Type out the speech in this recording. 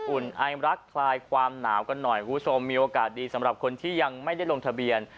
อุ่นไอรักคลายความหนาวกันหน่อยคุณผู้ชมมีโอกาสดีสำหรับคนที่ยังไม่ได้ลงทะเบียน